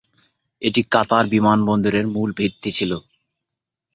এটি কাতার বিমানবন্দরের মূল ভিত্তি ছিল।